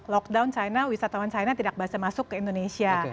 lockdown china wisatawan china tidak bisa masuk ke indonesia